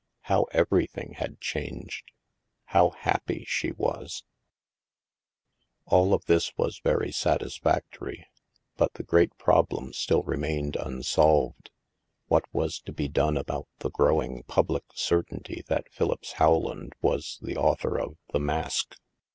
How everything had changed I How happy she was ! All of this was very satisfactory, but the great problem still remained unsolved: What was to be done about the growing public certainty that Phi lippse Howland was the author of " The Mask